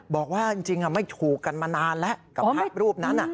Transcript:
บอกว่าจริงไม่ถูกกันมานานแล้วกับพระรูปนั้น